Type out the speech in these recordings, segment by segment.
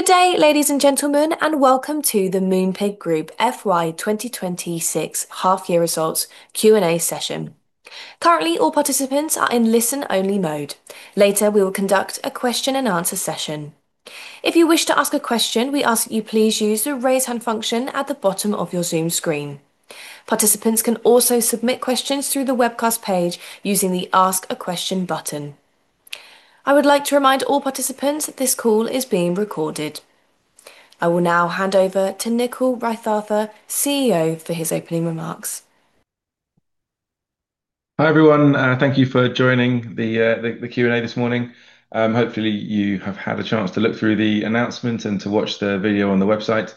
Good day, ladies and gentlemen, and welcome to the Moonpig Group FY 2026 half-year results Q&A session. Currently, all participants are in listen-only mode. Later, we will conduct a question-and-answer session. If you wish to ask a question, we ask that you please use the raise hand function at the bottom of your Zoom screen. Participants can also submit questions through the webcast page using the Ask a Question button. I would like to remind all participants that this call is being recorded. I will now hand over to Nickyl Raithatha, CEO, for his opening remarks. Hi everyone, thank you for joining the Q&A this morning. Hopefully, you have had a chance to look through the announcements and to watch the video on the website.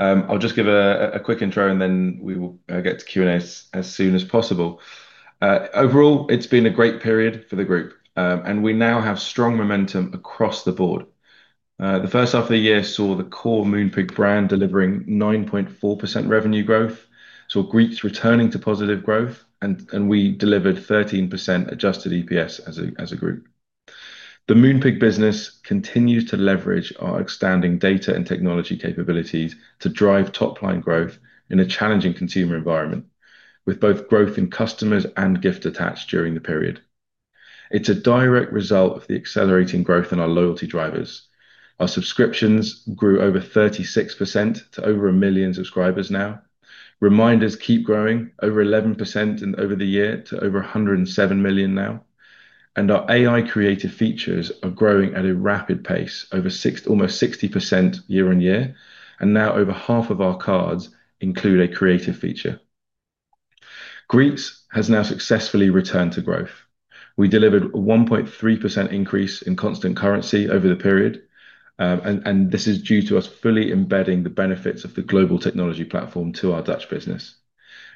I'll just give a quick intro, and then we will get to Q&A as soon as possible. Overall, it's been a great period for the group, and we now have strong momentum across the board. The first half of the year saw the core Moonpig brand delivering 9.4% revenue growth, so Greetz returning to positive growth, and we delivered 13% Adjusted EPS as a group. The Moonpig business continues to leverage our outstanding data and technology capabilities to drive top-line growth in a challenging consumer environment, with both growth in customers and gift attached during the period. It's a direct result of the accelerating growth in our loyalty drivers. Our subscriptions grew over 36% to over a million subscribers now. Reminders keep growing, over 11% over the year to over 107 million now. And our AI creative features are growing at a rapid pace, over almost 60% year-on-year, and now over half of our cards include a creative feature. Greetz has now successfully returned to growth. We delivered a 1.3% increase in constant currency over the period, and this is due to us fully embedding the benefits of the global technology platform to our Dutch business.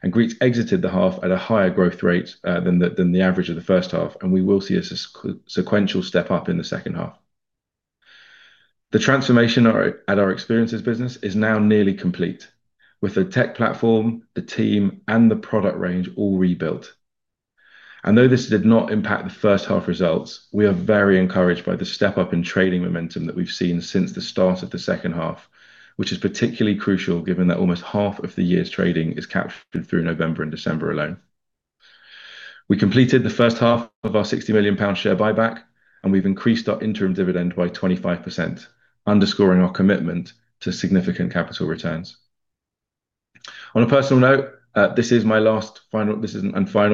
And Greetz exited the half at a higher growth rate than the average of the first half, and we will see a sequential step up in the second half. The transformation at our experiences business is now nearly complete, with the tech platform, the team, and the product range all rebuilt. Though this did not impact the first half results, we are very encouraged by the step up in trading momentum that we've seen since the start of the second half, which is particularly crucial given that almost half of the year's trading is captured through November and December alone. We completed the first half of our 60 million pound share buyback, and we've increased our interim dividend by 25%, underscoring our commitment to significant capital returns. On a personal note, this is my last final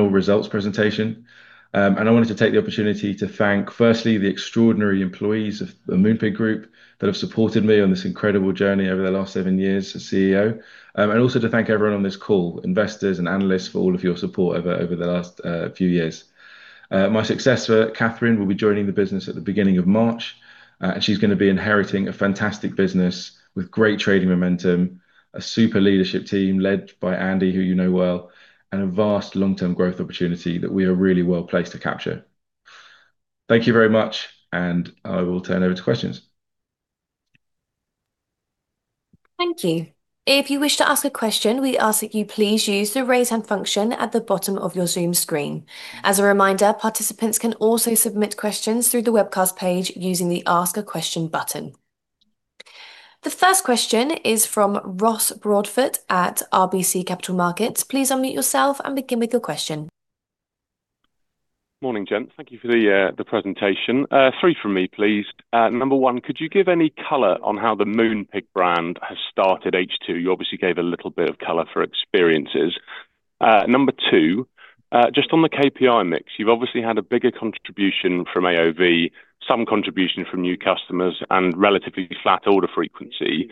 results presentation, and I wanted to take the opportunity to thank, firstly, the extraordinary employees of the Moonpig Group that have supported me on this incredible journey over the last seven years as CEO, and also to thank everyone on this call, investors and analysts, for all of your support over the last few years. My successor, Catherine, will be joining the business at the beginning of March, and she's going to be inheriting a fantastic business with great trading momentum, a super leadership team led by Andy, who you know well, and a vast long-term growth opportunity that we are really well placed to capture. Thank you very much, and I will turn over to questions. Thank you. If you wish to ask a question, we ask that you please use the raise hand function at the bottom of your Zoom screen. As a reminder, participants can also submit questions through the webcast page using the Ask a Question button. The first question is from Ross Broadfoot at RBC Capital Markets. Please unmute yourself and begin with your question. Morning, gents. Thank you for the presentation. Three from me, please. Number one, could you give any color on how the Moonpig brand has started H2? You obviously gave a little bit of color for experiences. Number two, just on the KPI mix, you've obviously had a bigger contribution from AOV, some contribution from new customers, and relatively flat order frequency.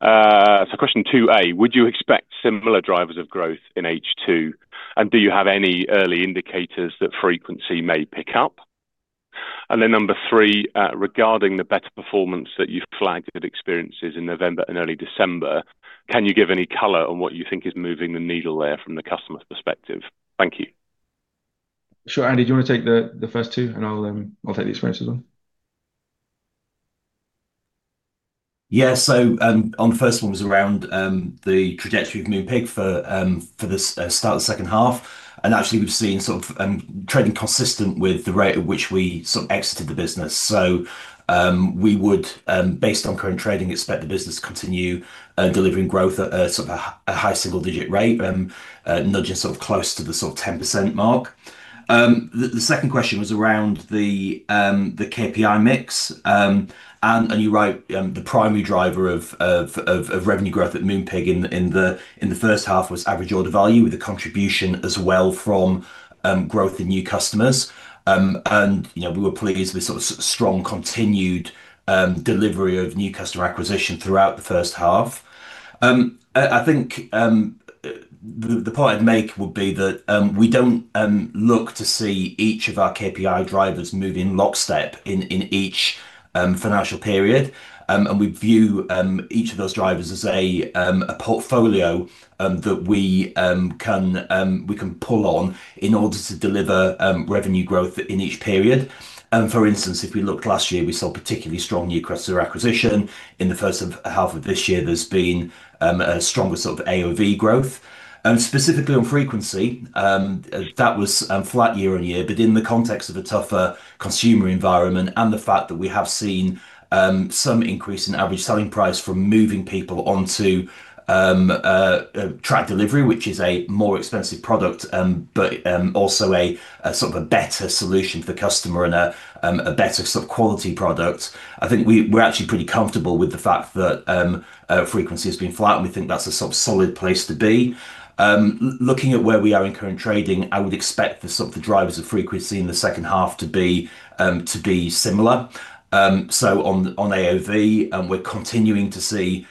So question 2A, would you expect similar drivers of growth in H2, and do you have any early indicators that frequency may pick up? And then number three, regarding the better performance that you've flagged at experiences in November and early December, can you give any color on what you think is moving the needle there from the customer's perspective? Thank you. Sure, Andy, do you want to take the first two, and I'll take the experiences one? Yeah, so on the first one was around the trajectory of Moonpig for the start of the second half. And actually, we've seen sort of trading consistent with the rate at which we sort of exited the business. So we would, based on current trading, expect the business to continue delivering growth at a high single-digit rate, nudging sort of close to the sort of 10% mark. The second question was around the KPI mix, and you're right, the primary driver of revenue growth at Moonpig in the first half was average order value with a contribution as well from growth in new customers. And we were pleased with sort of strong continued delivery of new customer acquisition throughout the first half. I think the point I'd make would be that we don't look to see each of our KPI drivers moving lockstep in each financial period, and we view each of those drivers as a portfolio that we can pull on in order to deliver revenue growth in each period. For instance, if we looked last year, we saw particularly strong new customer acquisition. In the first half of this year, there's been a stronger sort of AOV growth. Specifically on frequency, that was flat year-on-year, but in the context of a tougher consumer environment and the fact that we have seen some increase in average selling price from moving people onto tracked delivery, which is a more expensive product, but also a sort of a better solution for customer and a better sort of quality product. I think we're actually pretty comfortable with the fact that frequency has been flat, and we think that's a sort of solid place to be. Looking at where we are in current trading, I would expect the drivers of frequency in the second half to be similar. So on AOV, we're continuing to see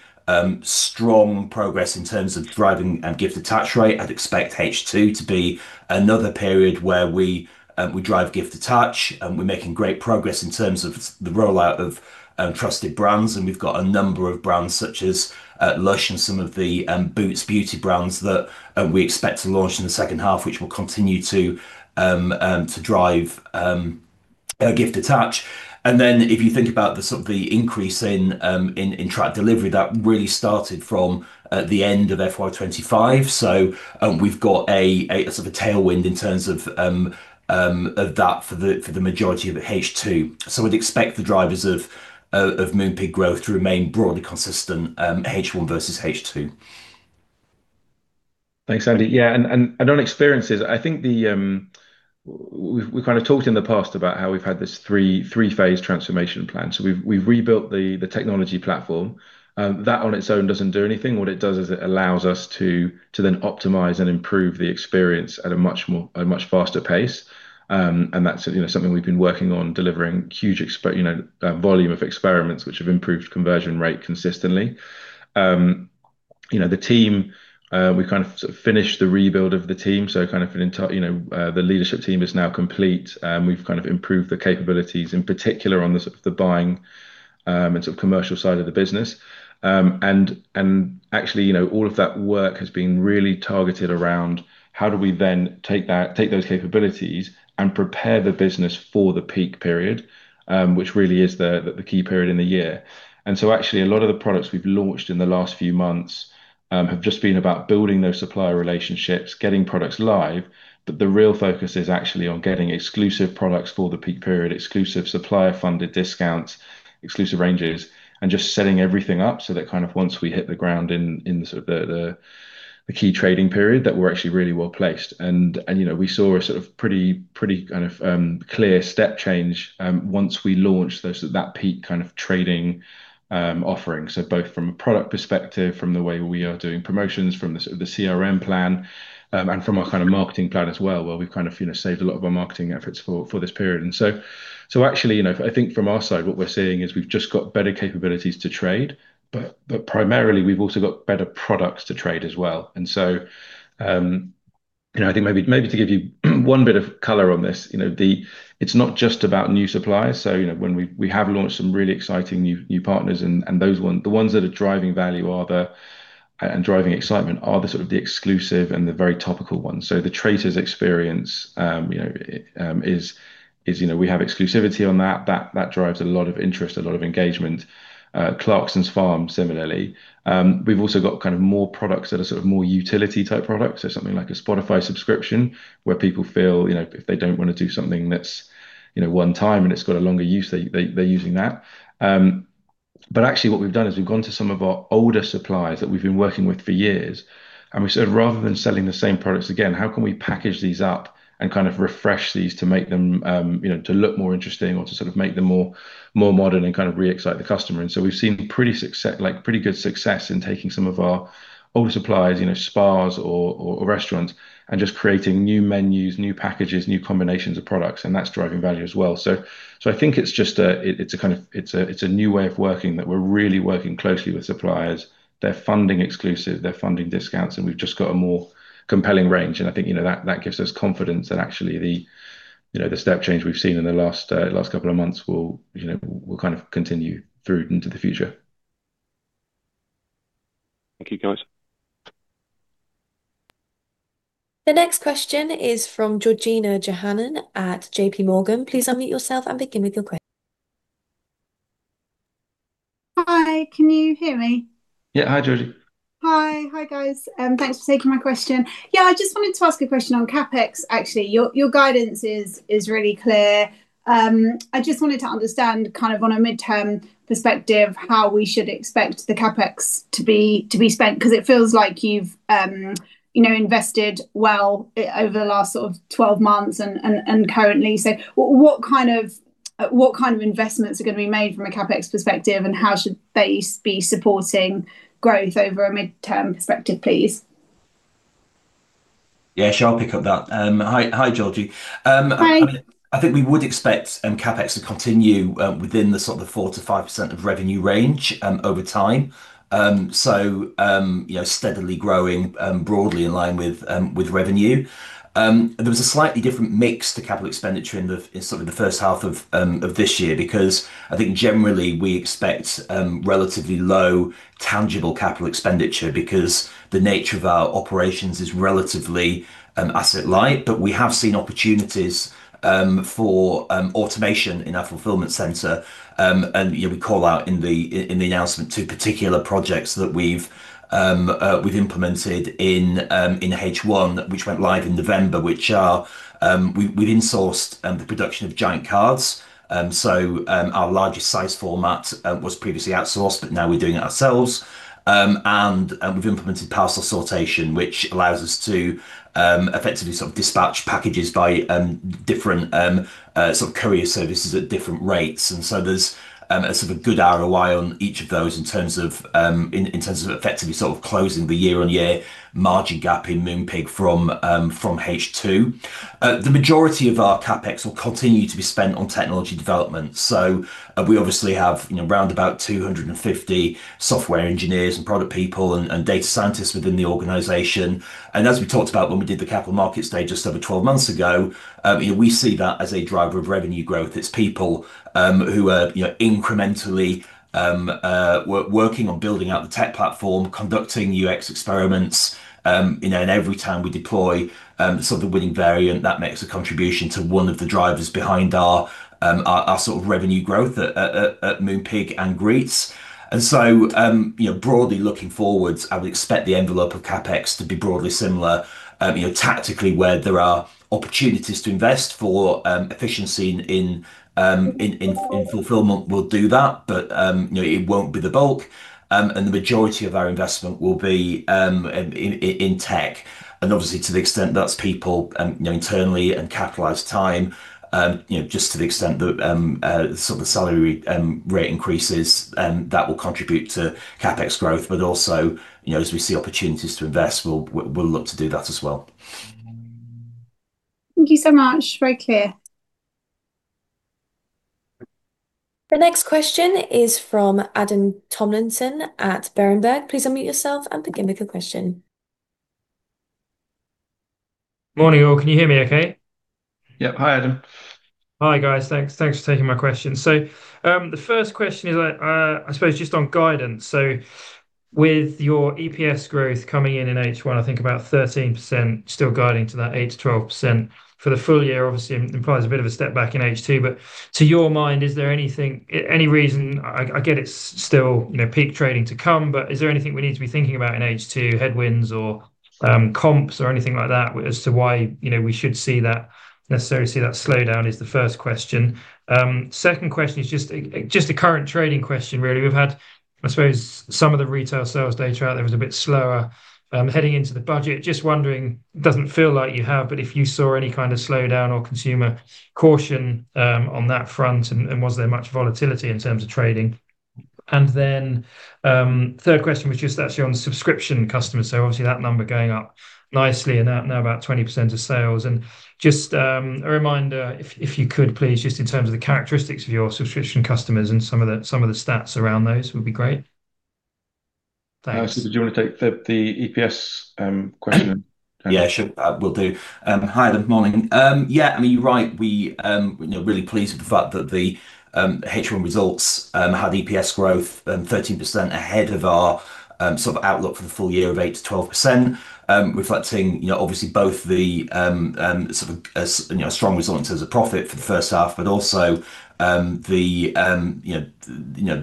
strong progress in terms of driving and gift attach rate. I'd expect H2 to be another period where we drive gift attach, and we're making great progress in terms of the rollout of trusted brands. And we've got a number of brands such as Lush and some of the Boots beauty brands that we expect to launch in the second half, which will continue to drive gift attach. And then if you think about the sort of increase in tracked delivery, that really started from the end of FY 2025. So we've got a sort of a tailwind in terms of that for the majority of H2. So we'd expect the drivers of Moonpig growth to remain broadly consistent, H1 versus H2. Thanks, Andy. Yeah, and on experiences, I think we've kind of talked in the past about how we've had this three-phase transformation plan. So we've rebuilt the technology platform. That on its own doesn't do anything. What it does is it allows us to then optimize and improve the experience at a much faster pace. And that's something we've been working on, delivering huge volume of experiments which have improved conversion rate consistently. The team, we kind of finished the rebuild of the team. So kind of the leadership team is now complete. We've kind of improved the capabilities, in particular on the buying and sort of commercial side of the business. And actually, all of that work has been really targeted around how do we then take those capabilities and prepare the business for the peak period, which really is the key period in the year. And so actually, a lot of the products we've launched in the last few months have just been about building those supplier relationships, getting products live, but the real focus is actually on getting exclusive products for the peak period, exclusive supplier-funded discounts, exclusive ranges, and just setting everything up so that kind of once we hit the ground in the key trading period, that we're actually really well placed. And we saw a sort of pretty kind of clear step change once we launched that peak kind of trading offering. So both from a product perspective, from the way we are doing promotions, from the CRM plan, and from our kind of marketing plan as well, where we've kind of saved a lot of our marketing efforts for this period. And so actually, I think from our side, what we're seeing is we've just got better capabilities to trade, but primarily, we've also got better products to trade as well. And so I think maybe to give you one bit of color on this, it's not just about new suppliers. So when we have launched some really exciting new partners, and the ones that are driving value and driving excitement are the sort of exclusive and the very topical ones. So The Traitors experience is we have exclusivity on that. That drives a lot of interest, a lot of engagement. Clarkson's Farm, similarly. We've also got kind of more products that are sort of more utility-type products. So something like a Spotify subscription, where people feel if they don't want to do something that's one time and it's got a longer use, they're using that. But actually, what we've done is we've gone to some of our older suppliers that we've been working with for years, and we said, rather than selling the same products again, how can we package these up and kind of refresh these to make them to look more interesting or to sort of make them more modern and kind of re-excite the customer? And so we've seen pretty good success in taking some of our old suppliers, spas or restaurants, and just creating new menus, new packages, new combinations of products, and that's driving value as well. So I think it's kind of a new way of working that we're really working closely with suppliers. They're funding exclusive. They're funding discounts, and we've just got a more compelling range. I think that gives us confidence that actually the step change we've seen in the last couple of months will kind of continue through into the future. Thank you, guys. The next question is from Georgina Johanan at JPMorgan. Please unmute yourself and begin with your question. Hi, can you hear me? Yeah, hi, Georgie. Hi, hi guys. Thanks for taking my question. Yeah, I just wanted to ask a question on CapEx, actually. Your guidance is really clear. I just wanted to understand kind of on a midterm perspective how we should expect the CapEx to be spent, because it feels like you've invested well over the last sort of 12 months and currently. So what kind of investments are going to be made from a CapEx perspective, and how should they be supporting growth over a midterm perspective, please? Yeah, sure, I'll pick up that. Hi, Georgie. Hi. I think we would expect CapEx to continue within the sort of 4%-5% of revenue range over time, so steadily growing broadly in line with revenue. There was a slightly different mix to capital expenditure in sort of the first half of this year, because I think generally we expect relatively low tangible capital expenditure because the nature of our operations is relatively asset-light, but we have seen opportunities for automation in our fulfillment center, and we call out in the announcement two particular projects that we've implemented in H1, which went live in November, which are we've insourced the production of giant cards. So our largest size format was previously outsourced, but now we're doing it ourselves, and we've implemented parcel sortation, which allows us to effectively sort of dispatch packages by different sort of courier services at different rates. And so there's a sort of good ROI on each of those in terms of effectively sort of closing the year-on-year margin gap in Moonpig from H2. The majority of our CapEx will continue to be spent on technology development. So we obviously have round about 250 software engineers and product people and data scientists within the organization. And as we talked about when we did the capital market stage just over 12 months ago, we see that as a driver of revenue growth. It's people who are incrementally working on building out the tech platform, conducting UX experiments. And every time we deploy sort of the winning variant, that makes a contribution to one of the drivers behind our sort of revenue growth at Moonpig and Greetz. And so broadly looking forwards, I would expect the envelope of CapEx to be broadly similar. Tactically, where there are opportunities to invest for efficiency in fulfillment, we'll do that, but it won't be the bulk. And the majority of our investment will be in tech. And obviously, to the extent that's people internally and capitalized time, just to the extent that sort of the salary rate increases, that will contribute to CapEx growth, but also as we see opportunities to invest, we'll look to do that as well. Thank you so much. Very clear. The next question is from Adam Tomlinson at Berenberg. Please unmute yourself and begin with your question. Morning, all. Can you hear me okay? Yep, hi, Adam. Hi, guys. Thanks for taking my question. So the first question is, I suppose, just on guidance. So with your EPS growth coming in in H1, I think about 13% still guiding to that 8%-12% for the full year, obviously implies a bit of a step back in H2. But to your mind, is there any reason? I get it's still peak trading to come, but is there anything we need to be thinking about in H2, headwinds or comps or anything like that as to why we should necessarily see that slowdown? is the first question. Second question is just a current trading question, really. We've had, I suppose, some of the retail sales data out there was a bit slower heading into the budget. Just wondering, doesn't feel like you have, but if you saw any kind of slowdown or consumer caution on that front, and was there much volatility in terms of trading? And then third question was just actually on subscription customers. So obviously, that number going up nicely and now about 20% of sales. And just a reminder, if you could, please, just in terms of the characteristics of your subscription customers and some of the stats around those would be great. Thanks. Andy do you want to take the EPS question? Yeah, sure. Will do. Hi, good morning. Yeah, I mean, you're right. We're really pleased with the fact that the H1 results had EPS growth 13% ahead of our sort of outlook for the full year of 8%-12%, reflecting obviously both the sort of strong resilience as a profit for the first half, but also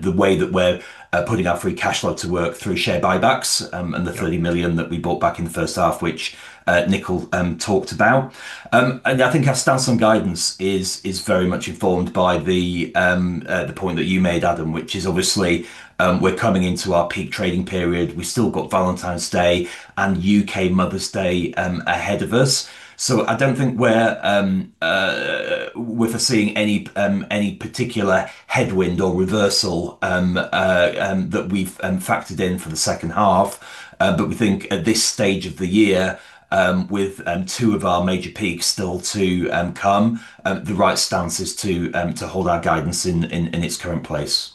the way that we're putting our free cash flow to work through share buybacks and the 30 million that we bought back in the first half, which Nickyl talked about. And I think our stance on guidance is very much informed by the point that you made, Adam, which is obviously we're coming into our peak trading period. We've still got Valentine's Day and U.K. Mother's Day ahead of us. So I don't think we're seeing any particular headwind or reversal that we've factored in for the second half. But we think at this stage of the year, with two of our major peaks still to come, the right stance is to hold our guidance in its current place.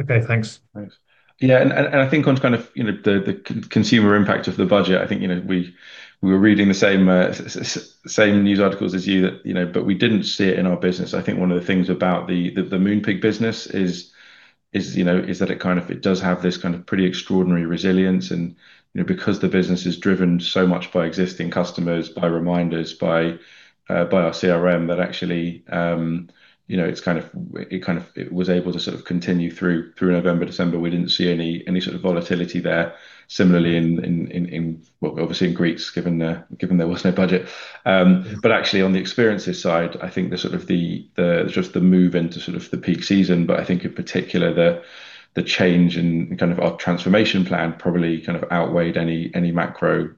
Okay, thanks. Thanks. Yeah, and I think on kind of the consumer impact of the budget, I think we were reading the same news articles as you, but we didn't see it in our business. I think one of the things about the Moonpig business is that it kind of does have this kind of pretty extraordinary resilience. And because the business is driven so much by existing customers, by reminders, by our CRM, that actually it kind of was able to sort of continue through November, December, we didn't see any sort of volatility there. Similarly, obviously in Greetz, given there was no budget. But actually, on the experiences side, I think the sort of the move into sort of the peak season, but I think in particular, the change in kind of our transformation plan probably kind of outweighed any macro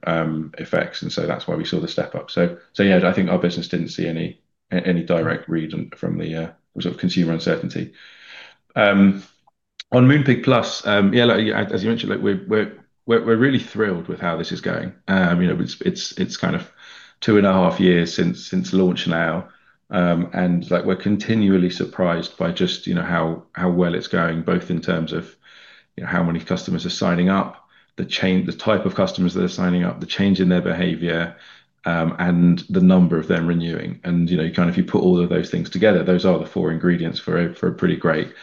effects. And so that's why we saw the step up. So yeah, I think our business didn't see any direct read from the sort of consumer uncertainty. On Moonpig Plus, yeah, as you mentioned, we're really thrilled with how this is going. It's kind of two and a half years since launch now. And we're continually surprised by just how well it's going, both in terms of how many customers are signing up, the type of customers that are signing up, the change in their behavior, and the number of them renewing. And kind of if you put all of those things together, those are the four ingredients for a pretty great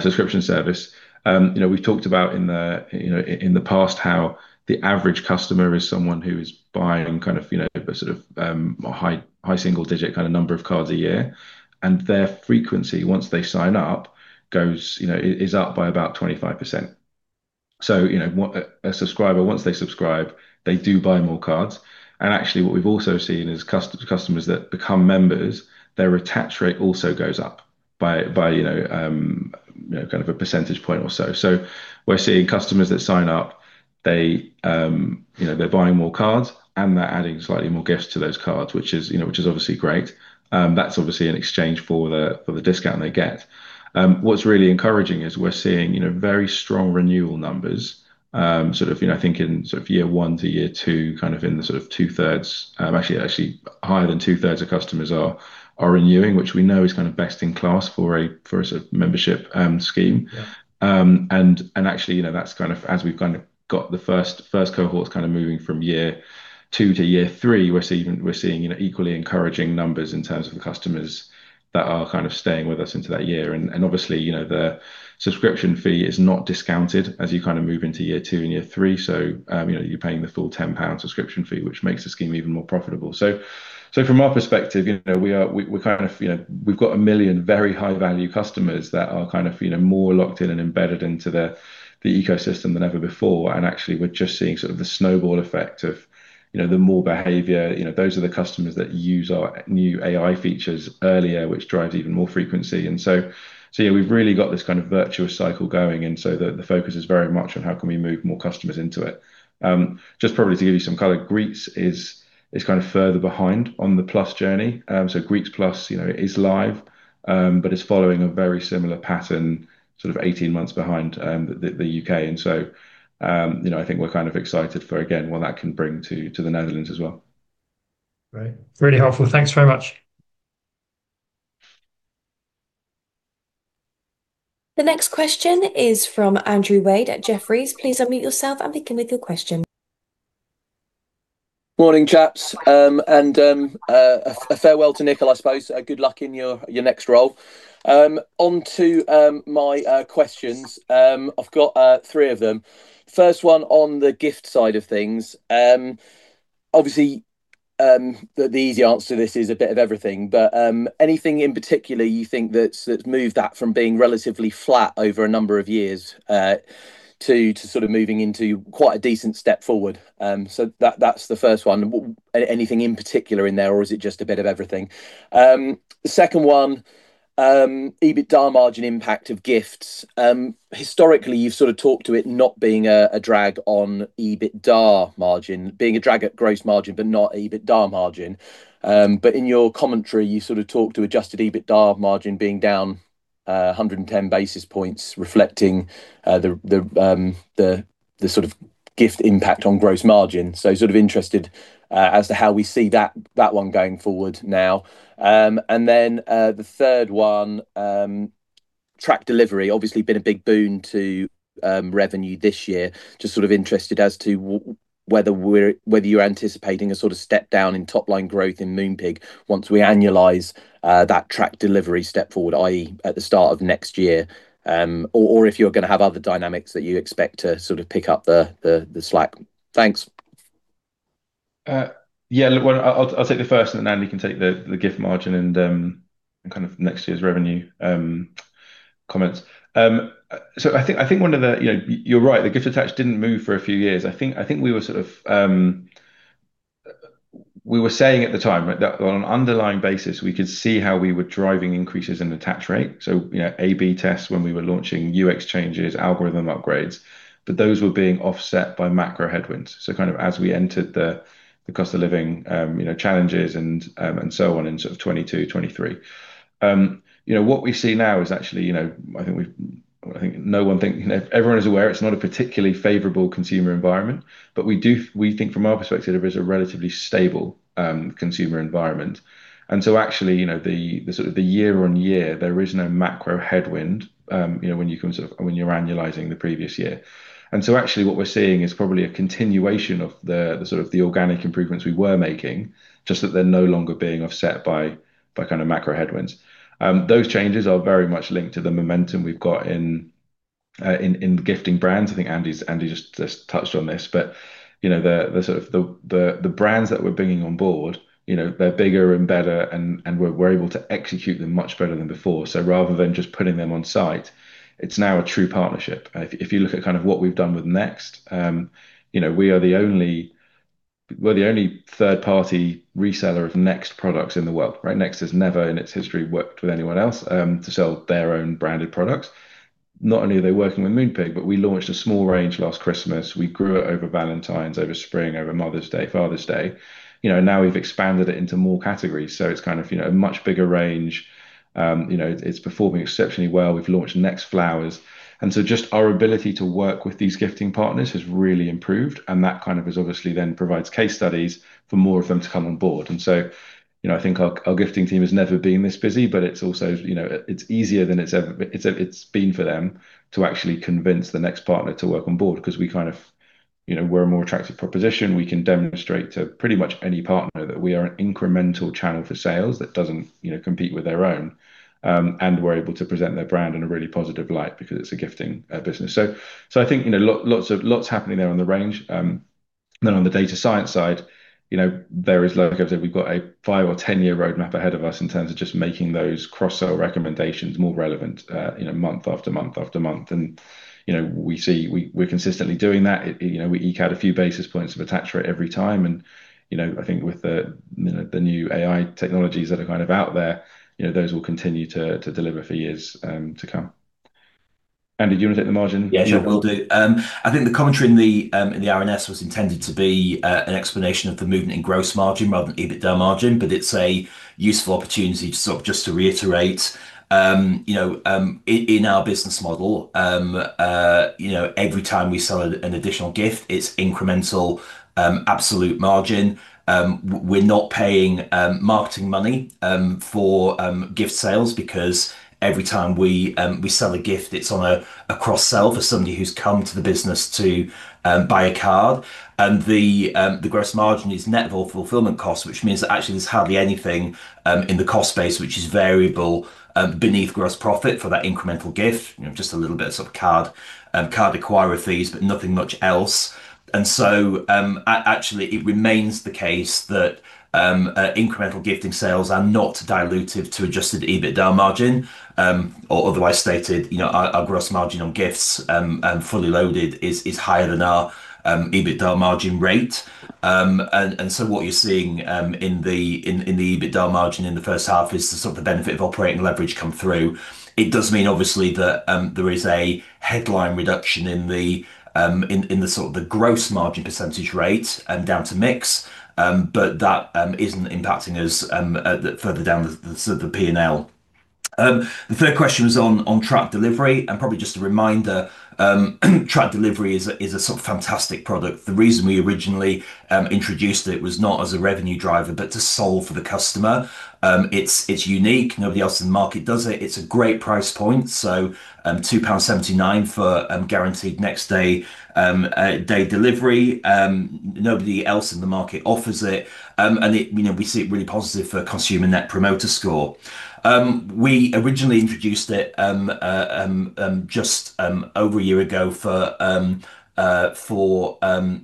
subscription service. We've talked about in the past how the average customer is someone who is buying kind of a sort of high single-digit kind of number of cards a year. Their frequency, once they sign up, is up by about 25%. So a subscriber, once they subscribe, they do buy more cards. And actually, what we've also seen is customers that become members, their attach rate also goes up by kind of a percentage point or so. So we're seeing customers that sign up, they're buying more cards, and they're adding slightly more gifts to those cards, which is obviously great. That's obviously in exchange for the discount they get. What's really encouraging is we're seeing very strong renewal numbers, sort of thinking sort of year one to year two, kind of in the sort of two-thirds, actually higher than two-thirds of customers are renewing, which we know is kind of best in class for a membership scheme. And actually, that's kind of as we've kind of got the first cohorts kind of moving from year two to year three, we're seeing equally encouraging numbers in terms of the customers that are kind of staying with us into that year. And obviously, the subscription fee is not discounted as you kind of move into year two and year three. So you're paying the full 10 pound subscription fee, which makes the scheme even more profitable. So from our perspective, we've got a million very high-value customers that are kind of more locked in and embedded into the ecosystem than ever before. And actually, we're just seeing sort of the snowball effect of the more behavior. Those are the customers that use our new AI features earlier, which drives even more frequency. And so yeah, we've really got this kind of virtuous cycle going. And so the focus is very much on how can we move more customers into it. Just probably to give you some color, Greetz is kind of further behind on the Plus journey. So Greetz Plus is live, but it's following a very similar pattern, sort of 18 months behind the U.K. And so I think we're kind of excited for, again, what that can bring to the Netherlands as well. Great. Really helpful. Thanks very much. The next question is from Andrew Wade at Jefferies. Please unmute yourself and begin with your question. Morning, chaps, and a farewell to Nickyl, I suppose. Good luck in your next role. Onto my questions, I've got three of them. First one on the gift side of things. Obviously, the easy answer to this is a bit of everything, but anything in particular you think that's moved that from being relatively flat over a number of years to sort of moving into quite a decent step forward? So that's the first one. Anything in particular in there, or is it just a bit of everything? Second one, EBITDA margin impact of gifts. Historically, you've sort of talked to it not being a drag on EBITDA margin, being a drag at gross margin, but not EBITDA margin. But in your commentary, you sort of talked to Adjusted EBITDA margin being down 110 basis points, reflecting the sort of gift impact on gross margin. So sort of interested as to how we see that one going forward now. And then the third one, Tracked Delivery, obviously been a big boon to revenue this year. Just sort of interested as to whether you're anticipating a sort of step down in top-line growth in Moonpig once we annualize that Tracked Delivery step forward, i.e., at the start of next year, or if you're going to have other dynamics that you expect to sort of pick up the slack. Thanks. Yeah, well, I'll take the first, and then you can take the gift margin and kind of next year's revenue comments. So I think one of the—you're right, the gift attach didn't move for a few years. I think we were sort of saying at the time that on an underlying basis, we could see how we were driving increases in attach rate. So A/B tests when we were launching UX changes, algorithm upgrades, but those were being offset by macro headwinds. So kind of as we entered the cost of living challenges and so on in sort of 2022, 2023. What we see now is actually, I think everyone is aware, it's not a particularly favorable consumer environment, but we think from our perspective, there is a relatively stable consumer environment. And so actually, sort of the year-on-year, there is no macro headwind when you're annualizing the previous year. And so actually, what we're seeing is probably a continuation of the sort of organic improvements we were making, just that they're no longer being offset by kind of macro headwinds. Those changes are very much linked to the momentum we've got in gifting brands. I think Andy just touched on this, but the sort of brands that we're bringing on board, they're bigger and better, and we're able to execute them much better than before. So rather than just putting them on site, it's now a true partnership. If you look at kind of what we've done with NEXT, we are the only third-party reseller of NEXT products in the world. Next has never in its history worked with anyone else to sell their own branded products. Not only are they working with Moonpig, but we launched a small range last Christmas. We grew it over Valentine's, over spring, over Mother's Day, Father's Day. Now we've expanded it into more categories, so it's kind of a much bigger range. It's performing exceptionally well. We've launched NEXT Flowers, and so just our ability to work with these gifting partners has really improved, and that kind of obviously then provides case studies for more of them to come on board, and so I think our gifting team has never been this busy, but it's easier than it's been for them to actually convince the next partner to come on board because we kind of are a more attractive proposition. We can demonstrate to pretty much any partner that we are an incremental channel for sales that doesn't compete with their own. We're able to present their brand in a really positive light because it's a gifting business. I think lots happening there on the range. On the data science side, there is, like I've said, we've got a five or 10-year roadmap ahead of us in terms of just making those cross-sale recommendations more relevant month after month after month. We see we're consistently doing that. We eke out a few basis points of attach rate every time. I think with the new AI technologies that are kind of out there, those will continue to deliver for years to come. Andy, do you want to take the margin? Yeah, I will do. I think the commentary in the R&S was intended to be an explanation of the movement in gross margin rather than EBITDA margin, but it's a useful opportunity just to reiterate in our business model, every time we sell an additional gift, it's incremental, absolute margin. We're not paying marketing money for gift sales because every time we sell a gift, it's on a cross-sell for somebody who's come to the business to buy a card. And the gross margin is net of all fulfillment costs, which means that actually there's hardly anything in the cost space which is variable beneath gross profit for that incremental gift, just a little bit of sort of card acquirer fees, but nothing much else. And so actually, it remains the case that incremental gifting sales are not dilutive to Adjusted EBITDA margin, or otherwise stated, our gross margin on gifts fully loaded is higher than our EBITDA margin rate. And so what you're seeing in the EBITDA margin in the first half is the sort of benefit of operating leverage come through. It does mean, obviously, that there is a headline reduction in the sort of the gross margin percentage rate and down to mix, but that isn't impacting us further down the P&L. The third question was on Tracked Delivery. And probably just a reminder, Tracked Delivery is a sort of fantastic product. The reason we originally introduced it was not as a revenue driver, but to solve for the customer. It's unique. Nobody else in the market does it. It's a great price point. So 2.79 pounds for guaranteed next-day delivery. Nobody else in the market offers it. And we see it really positive for consumer Net Promoter Score. We originally introduced it just over a year ago for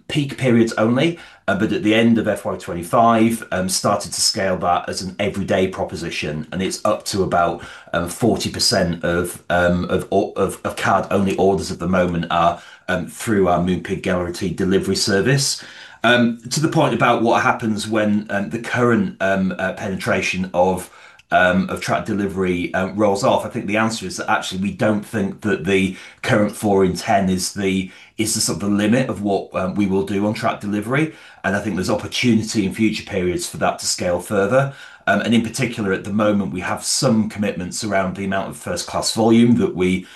peak periods only, but at the end of FY 2025, started to scale that as an everyday proposition. And it's up to about 40% of card-only orders at the moment are through our Moonpig Guaranteed Delivery service. To the point about what happens when the current penetration of Tracked Delivery rolls off, I think the answer is that actually we don't think that the current four in ten is the sort of limit of what we will do on Tracked Delivery. And in particular, at the moment, we have some commitments around the amount of first-class volume that we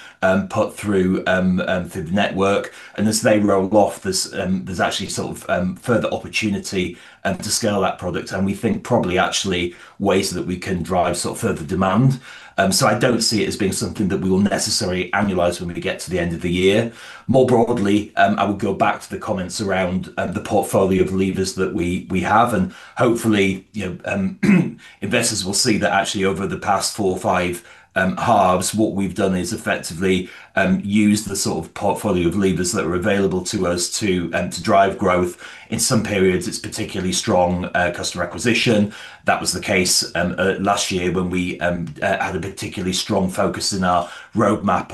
put through the network. And as they roll off, there's actually sort of further opportunity to scale that product. And we think probably actually ways that we can drive sort of further demand. So I don't see it as being something that we will necessarily annualize when we get to the end of the year. More broadly, I would go back to the comments around the portfolio of levers that we have. And hopefully, investors will see that actually over the past four or five halves, what we've done is effectively used the sort of portfolio of levers that are available to us to drive growth. In some periods, it's particularly strong customer acquisition. That was the case last year when we had a particularly strong focus in our roadmap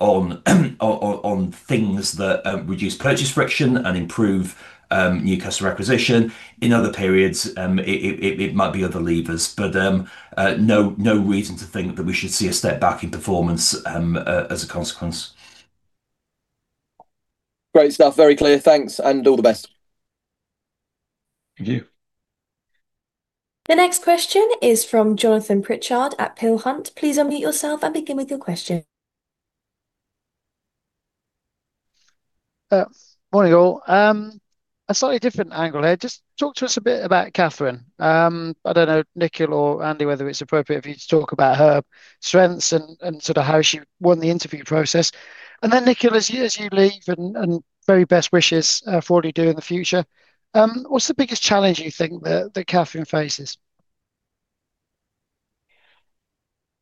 on things that reduce purchase friction and improve new customer acquisition. In other periods, it might be other levers, but no reason to think that we should see a step back in performance as a consequence. Great stuff. Very clear. Thanks. And all the best. Thank you. The next question is from Jonathan Pritchard at Peel Hunt. Please unmute yourself and begin with your question. Morning, all. A slightly different angle here. Just talk to us a bit about Catherine. I don't know, Nickyl or Andy, whether it's appropriate for you to talk about her strengths and sort of how she won the interview process. And then, Nickyl, as you leave and very best wishes for what you do in the future, what's the biggest challenge you think that Catherine faces?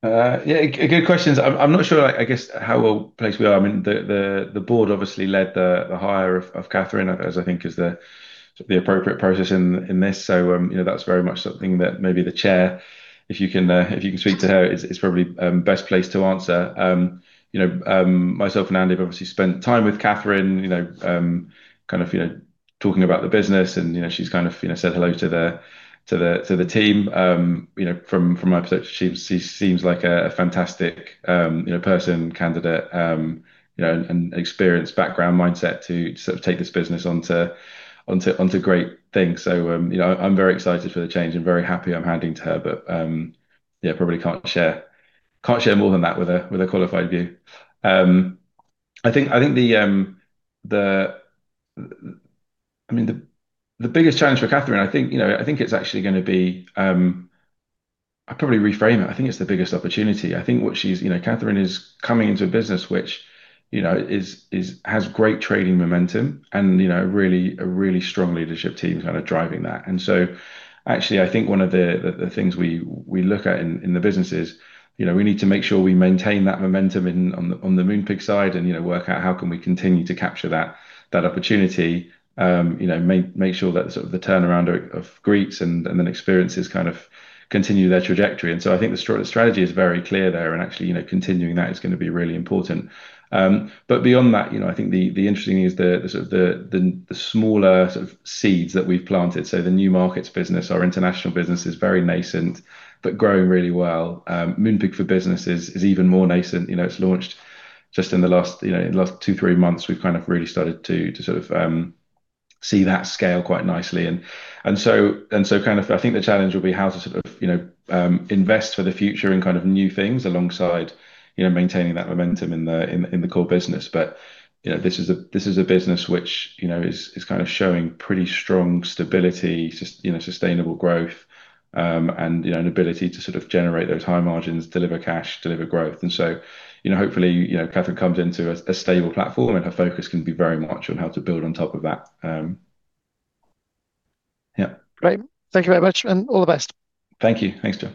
Yeah, good questions. I'm not sure, I guess, how well placed we are. I mean, the Board obviously led the hire of Catherine, as I think is the appropriate process in this. So that's very much something that maybe the Chair, if you can speak to her, is probably the best place to answer. Myself and Andy have obviously spent time with Catherine, kind of talking about the business, and she's kind of said hello to the team. From my perspective, she seems like a fantastic person, candidate, and experienced background, mindset to sort of take this business onto great things. So I'm very excited for the change. I'm very happy I'm handing to her, but yeah, probably can't share more than that with a qualified view. I think the, I mean, the biggest challenge for Catherine, I think it's actually going to be, I'll probably reframe it. I think it's the biggest opportunity. I think what she's, Catherine is coming into a business which has great trading momentum and a really strong leadership team kind of driving that. And so actually, I think one of the things we look at in the business is we need to make sure we maintain that momentum on the Moonpig side and work out how can we continue to capture that opportunity, make sure that sort of the turnaround of Greetz and then Experiences kind of continue their trajectory. And so I think the strategy is very clear there. And actually, continuing that is going to be really important. But beyond that, I think the interesting thing is the smaller seeds that we've planted. So the new markets business, our international business is very nascent, but growing really well. Moonpig for Business is even more nascent. It's launched just in the last two, three months. We've kind of really started to sort of see that scale quite nicely, and so kind of I think the challenge will be how to sort of invest for the future in kind of new things alongside maintaining that momentum in the core business, but this is a business which is kind of showing pretty strong stability, sustainable growth, and an ability to sort of generate those high margins, deliver cash, deliver growth, and so hopefully, Catherine comes into a stable platform and her focus can be very much on how to build on top of that. Yeah. Great. Thank you very much. And all the best. Thank you. Thanks, Joe.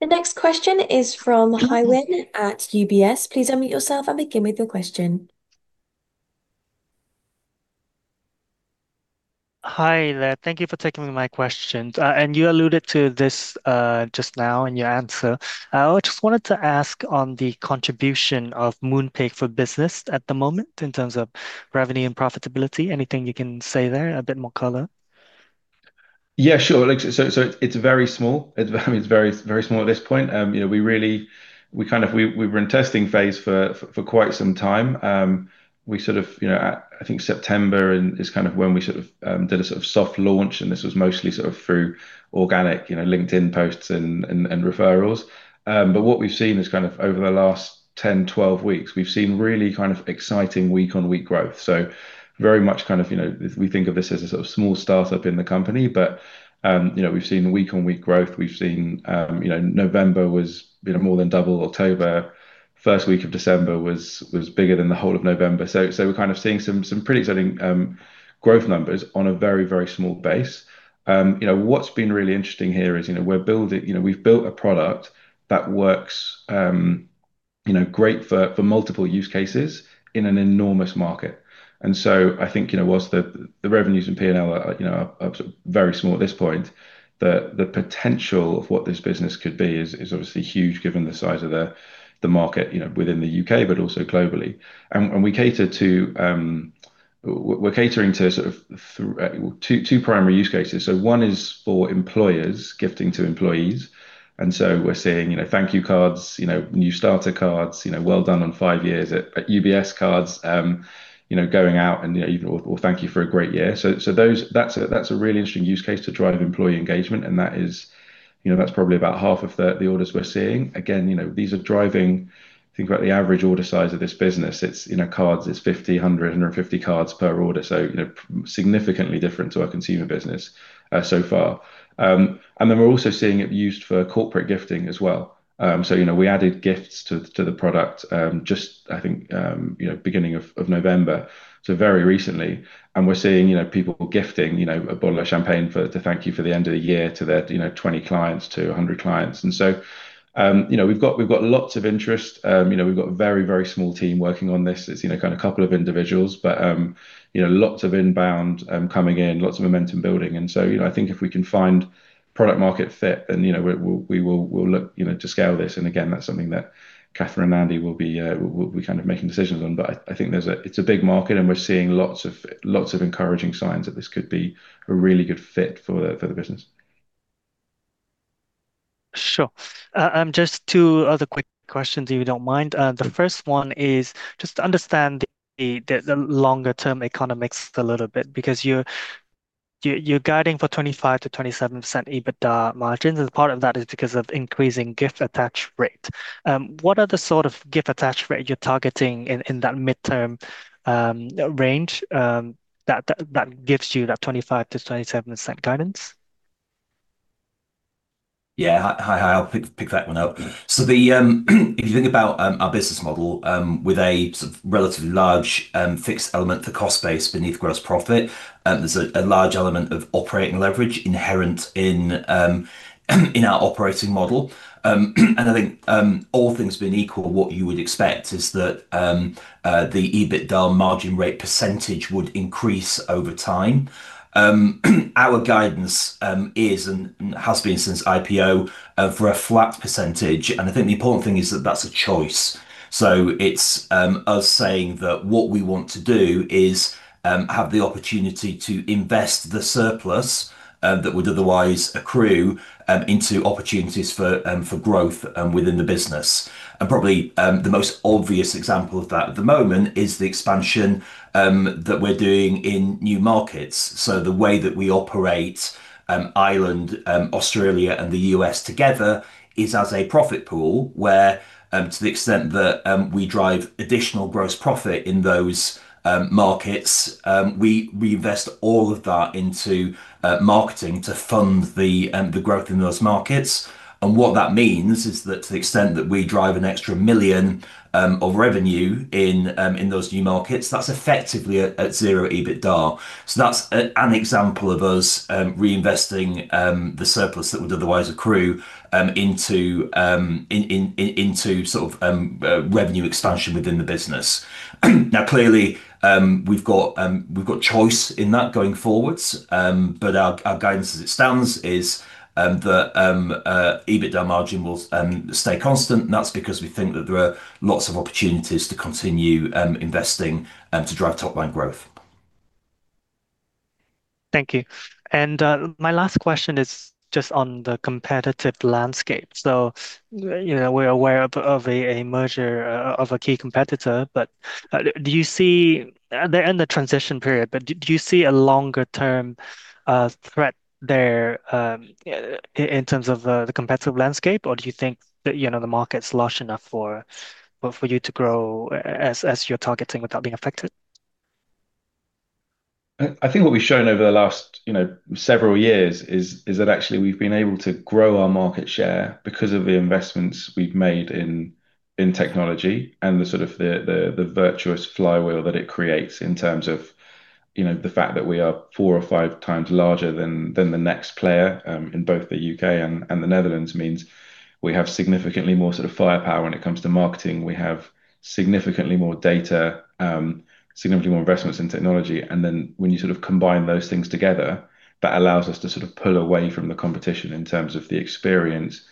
The next question is from Hai Huynh at UBS. Please unmute yourself and begin with your question. Hi, thank you for taking my question. And you alluded to this just now in your answer. I just wanted to ask on the contribution of Moonpig for Business at the moment in terms of revenue and profitability. Anything you can say there? A bit more color. Yeah, sure. So it's very small. It's very small at this point. We kind of, we were in testing phase for quite some time. We sort of, I think September is kind of when we sort of did a sort of soft launch. And this was mostly sort of through organic LinkedIn posts and referrals. But what we've seen is kind of over the last 10, 12 weeks, we've seen really kind of exciting week-on-week growth. So very much kind of, we think of this as a sort of small startup in the company, but we've seen week-on-week growth. We've seen November was more than double October. First week of December was bigger than the whole of November. So we're kind of seeing some pretty exciting growth numbers on a very, very small base. What's been really interesting here is we've built a product that works great for multiple use cases in an enormous market, and so I think whilst the revenues and P&L are very small at this point, the potential of what this business could be is obviously huge given the size of the market within the U.K., but also globally, and we cater to, we're catering to sort of two primary use cases, so one is for employers gifting to employees, and so we're seeing thank you cards, new starter cards, well done on five years at UBS cards going out, or thank you for a great year, so that's a really interesting use case to drive employee engagement, and that's probably about half of the orders we're seeing. Again, these are driving, think about the average order size of this business. It's cards, it's 50, 100, 150 cards per order. So significantly different to our consumer business so far. And then we're also seeing it used for corporate gifting as well. So we added gifts to the product just, I think, beginning of November. So very recently. And we're seeing people gifting a bottle of champagne to thank you for the end of the year to their 20 clients, to 100 clients. And so we've got lots of interest. We've got a very, very small team working on this. It's kind of a couple of individuals, but lots of inbound coming in, lots of momentum building. And so I think if we can find product-market fit, then we will look to scale this. And again, that's something that Catherine and Andy will be kind of making decisions on. But I think it's a big market and we're seeing lots of encouraging signs that this could be a really good fit for the business. Sure. Just two other quick questions if you don't mind. The first one is just to understand the longer-term economics a little bit because you're guiding for 25%-27% EBITDA margins. And part of that is because of increasing gift attach rate. What are the sort of gift attach rate you're targeting in that midterm range that gives you that 25%-27% guidance? Yeah, hi, hi. I'll pick that one up, so if you think about our business model with a sort of relatively large fixed element, the cost base beneath gross profit, there's a large element of operating leverage inherent in our operating model. And I think all things being equal, what you would expect is that the EBITDA margin rate percentage would increase over time. Our guidance is and has been since IPO for a flat percentage. And I think the important thing is that that's a choice, so it's us saying that what we want to do is have the opportunity to invest the surplus that would otherwise accrue into opportunities for growth within the business, and probably the most obvious example of that at the moment is the expansion that we're doing in new markets. So the way that we operate Ireland, Australia, and the U.S. together is as a profit pool where to the extent that we drive additional gross profit in those markets, we invest all of that into marketing to fund the growth in those markets. And what that means is that to the extent that we drive an extra million of revenue in those new markets, that's effectively at zero EBITDA. So that's an example of us reinvesting the surplus that would otherwise accrue into sort of revenue expansion within the business. Now, clearly, we've got choice in that going forwards. But our guidance as it stands is that EBITDA margin will stay constant. And that's because we think that there are lots of opportunities to continue investing to drive top-line growth. Thank you. And my last question is just on the competitive landscape. So we're aware of a merger of a key competitor, but do you see, and they're in the transition period, but do you see a longer-term threat there in terms of the competitive landscape? Or do you think that the market's large enough for you to grow as you're targeting without being affected? I think what we've shown over the last several years is that actually we've been able to grow our market share because of the investments we've made in technology and the sort of the virtuous flywheel that it creates in terms of the fact that we are 4x or 5x larger than the next player in both the U.K. and the Netherlands means we have significantly more sort of firepower when it comes to marketing. We have significantly more data, significantly more investments in technology. And then when you sort of combine those things together, that allows us to sort of pull away from the competition in terms of the experience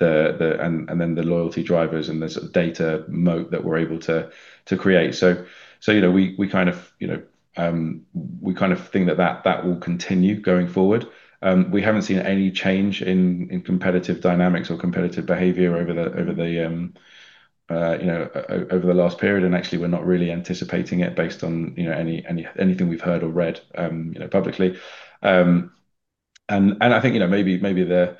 and then the loyalty drivers and the sort of data moat that we're able to create. So we kind of think that that will continue going forward. We haven't seen any change in competitive dynamics or competitive behavior over the last period. And actually, we're not really anticipating it based on anything we've heard or read publicly. And I think maybe the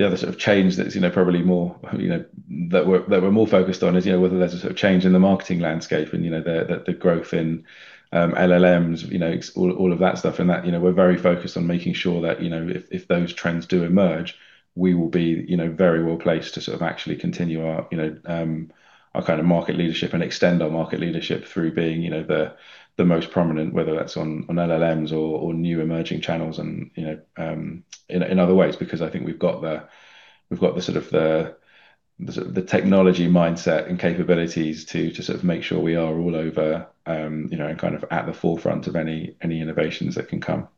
other sort of change that's probably more that we're more focused on is whether there's a sort of change in the marketing landscape and the growth in LLMs, all of that stuff. We're very focused on making sure that if those trends do emerge, we will be very well placed to sort of actually continue our kind of market leadership and extend our market leadership through being the most prominent, whether that's on LLMs or new emerging channels and in other ways, because I think we've got the sort of technology mindset and capabilities to sort of make sure we are all over and kind of at the forefront of any innovations that can come.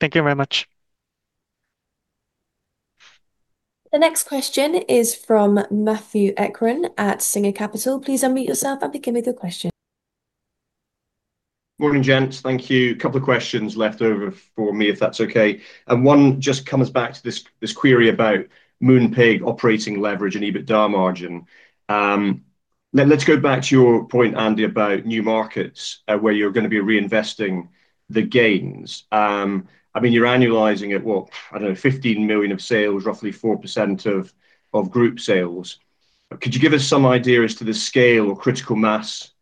Thank you very much. The next question is from Matthew Eckern at Singer Capital. Please unmute yourself and begin with your question. Morning, gents. Thank you. A couple of questions left over for me, if that's okay, and one just comes back to this query about Moonpig operating leverage and EBITDA margin. Let's go back to your point, Andy, about new markets where you're going to be reinvesting the gains. I mean, you're annualizing at, well, I don't know, 15 million of sales, roughly 4% of group sales. Could you give us some idea as to the scale or critical mass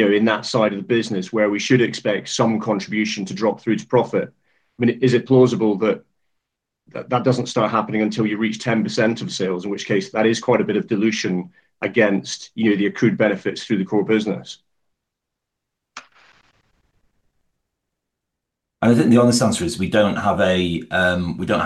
in that side of the business where we should expect some contribution to drop through to profit? I mean, is it plausible that that doesn't start happening until you reach 10% of sales, in which case that is quite a bit of dilution against the accrued benefits through the core business? I think the honest answer is we don't have a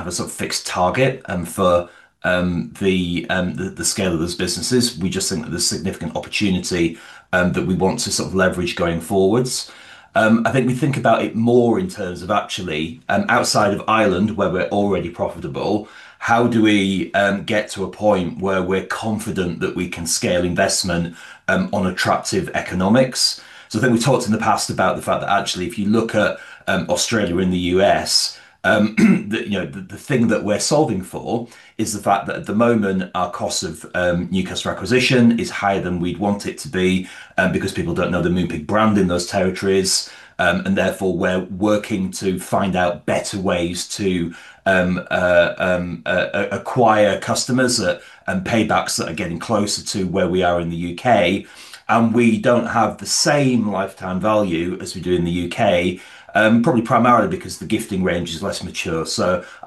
sort of fixed target for the scale of those businesses. We just think that there's significant opportunity that we want to sort of leverage going forwards. I think we think about it more in terms of actually outside of Ireland, where we're already profitable, how do we get to a point where we're confident that we can scale investment on attractive economics? So I think we talked in the past about the fact that actually if you look at Australia and the U.S., the thing that we're solving for is the fact that at the moment, our cost of new customer acquisition is higher than we'd want it to be because people don't know the Moonpig brand in those territories. Therefore, we're working to find out better ways to acquire customers and paybacks that are getting closer to where we are in the U.K. We don't have the same lifetime value as we do in the U.K., probably primarily because the gifting range is less mature.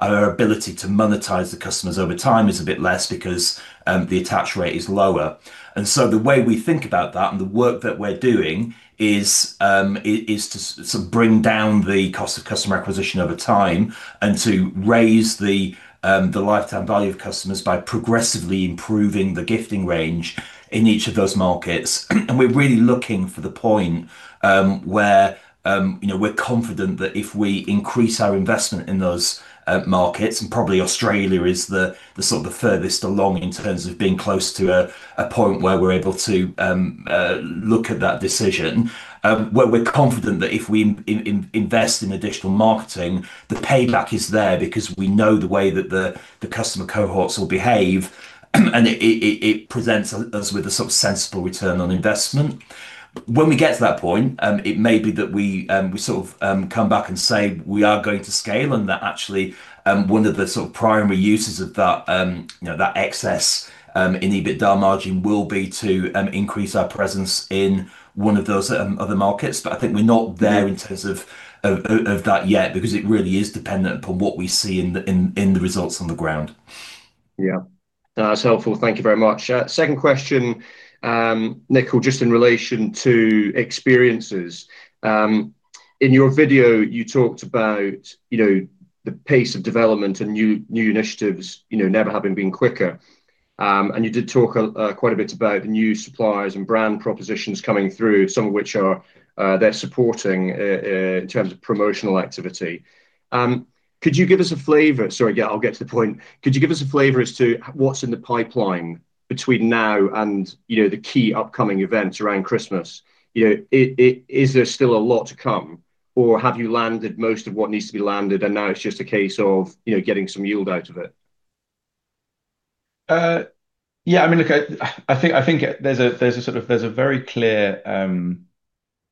Our ability to monetize the customers over time is a bit less because the attach rate is lower. The way we think about that and the work that we're doing is to sort of bring down the cost of customer acquisition over time and to raise the lifetime value of customers by progressively improving the gifting range in each of those markets. We're really looking for the point where we're confident that if we increase our investment in those markets, and probably Australia is the sort of the furthest along in terms of being close to a point where we're able to look at that decision, where we're confident that if we invest in additional marketing, the payback is there because we know the way that the customer cohorts will behave. It presents us with a sort of sensible return on investment. When we get to that point, it may be that we sort of come back and say we are going to scale. That actually one of the sort of primary uses of that excess in EBITDA margin will be to increase our presence in one of those other markets. But I think we're not there in terms of that yet because it really is dependent upon what we see in the results on the ground. Yeah. That's helpful. Thank you very much. Second question, Nickyl, just in relation to experiences. In your video, you talked about the pace of development and new initiatives never having been quicker. And you did talk quite a bit about the new suppliers and brand propositions coming through, some of which they're supporting in terms of promotional activity. Could you give us a flavor? Sorry, yeah, I'll get to the point. Could you give us a flavor as to what's in the pipeline between now and the key upcoming events around Christmas? Is there still a lot to come? Or have you landed most of what needs to be landed and now it's just a case of getting some yield out of it? Yeah. I mean, look, I think there's sort of a very clear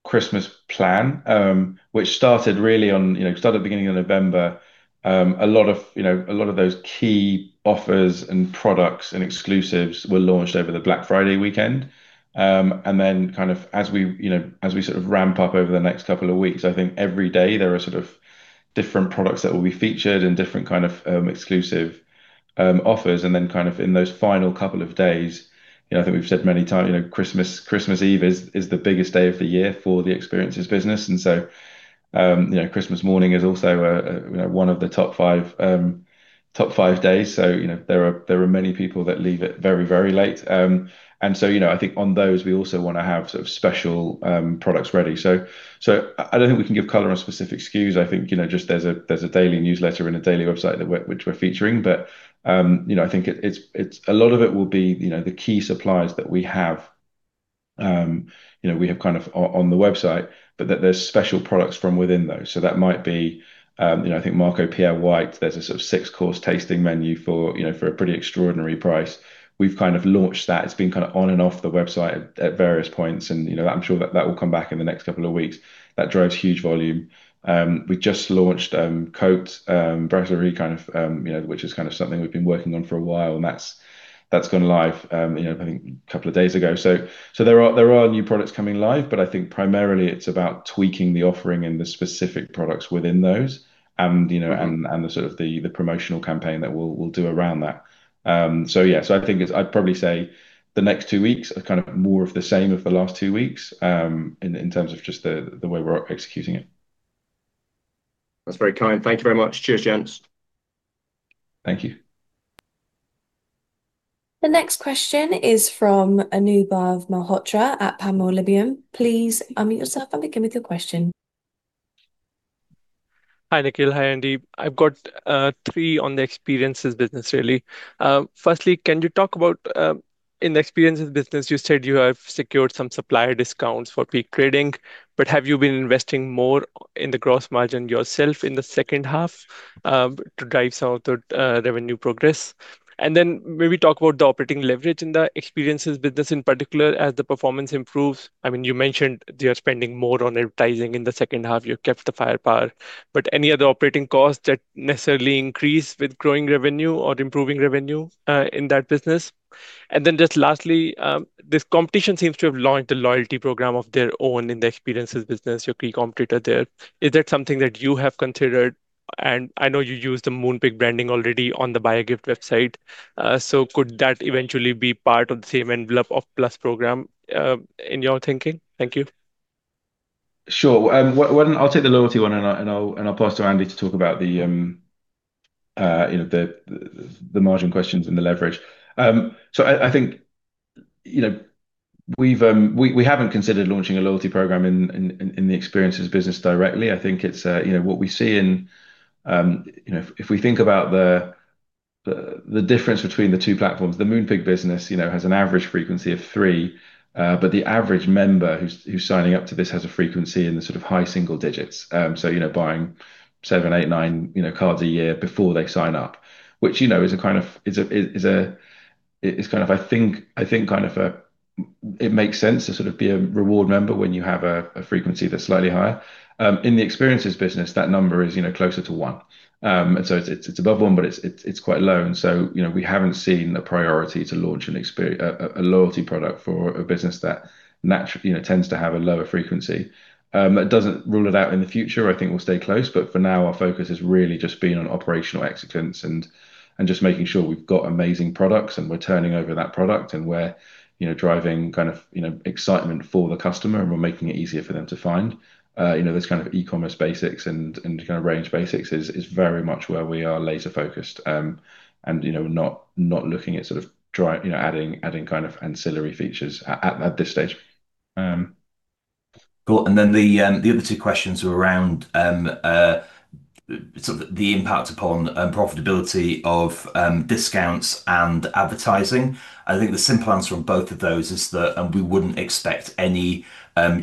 Christmas plan, which started really at the beginning of November. A lot of those key offers and products and exclusives were launched over the Black Friday weekend. And then kind of as we sort of ramp up over the next couple of weeks, I think every day there are sort of different products that will be featured and different kind of exclusive offers. And then kind of in those final couple of days, I think we've said many times, Christmas Eve is the biggest day of the year for the experiences business. And so Christmas morning is also one of the top five days. So there are many people that leave it very, very late. And so I think on those, we also want to have sort of special products ready. So I don't think we can give color on specific SKUs. I think just there's a daily newsletter and a daily website which we're featuring. But I think a lot of it will be the key suppliers that we have kind of on the website, but that there's special products from within those. So that might be, I think, Marco Pierre White. There's a sort of six-course tasting menu for a pretty extraordinary price. We've kind of launched that. It's been kind of on and off the website at various points. And I'm sure that will come back in the next couple of weeks. That drives huge volume. We just launched Coke browser kind of, which is kind of something we've been working on for a while. And that's gone live, I think, a couple of days ago. So there are new products coming live, but I think primarily it's about tweaking the offering and the specific products within those and the sort of promotional campaign that we'll do around that. So yeah, I think I'd probably say the next two weeks are kind of more of the same as the last two weeks in terms of just the way we're executing it. That's very kind. Thank you very much. Cheers, gents. Thank you. The next question is from Anubhav Malhotra at Panmure Liberum. Please unmute yourself and begin with your question. Hi, Nickyl. Hi, Andy. I've got three on the experiences business, really. Firstly, can you talk about in the experiences business, you said you have secured some supplier discounts for peak trading, but have you been investing more in the gross margin yourself in the second half to drive some of the revenue progress? And then maybe talk about the operating leverage in the experiences business in particular as the performance improves. I mean, you mentioned you're spending more on advertising in the second half. You kept the firepower. But any other operating costs that necessarily increase with growing revenue or improving revenue in that business? And then just lastly, this competitor seems to have launched a loyalty program of their own in the experiences business, your key competitor there. Is that something that you have considered? And I know you use the Moonpig branding already on the Buyagift website. So could that eventually be part of the same envelope of Plus program in your thinking? Thank you. Sure. I'll take the loyalty one and I'll pass to Andy to talk about the margin questions and the leverage, so I think we haven't considered launching a loyalty program in the experiences business directly. I think what we see, if we think about the difference between the two platforms, the Moonpig business has an average frequency of three, but the average member who's signing up to this has a frequency in the sort of high single digits, so buying seven, eight, nine cards a year before they sign up, which kind of makes sense to sort of be a reward member when you have a frequency that's slightly higher. In the experiences business, that number is closer to one, and so it's above one, but it's quite low. And so we haven't seen a priority to launch a loyalty product for a business that tends to have a lower frequency. That doesn't rule it out in the future. I think we'll stay close. But for now, our focus has really just been on operational excellence and just making sure we've got amazing products and we're turning over that product and we're driving kind of excitement for the customer and we're making it easier for them to find. Those kind of e-commerce basics and kind of range basics is very much where we are laser-focused and not looking at sort of adding kind of ancillary features at this stage. Cool. And then the other two questions are around sort of the impact upon profitability of discounts and advertising. I think the simple answer on both of those is that we wouldn't expect any